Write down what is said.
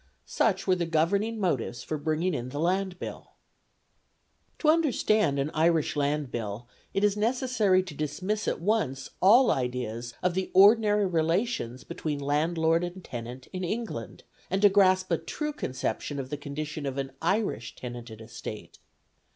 Such were the governing motives for bringing in the Land Bill. To understand an Irish Land Bill it is necessary to dismiss at once all ideas of the ordinary relations between landlord and tenant in England, and to grasp a true conception of the condition of an Irish tenanted estate.